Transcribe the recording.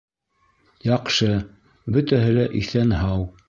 Яҡшы, бөтәһе лә иҫән-һау